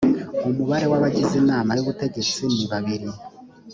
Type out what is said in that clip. umubare w’abagize inama y’ubutegetsi ni babiri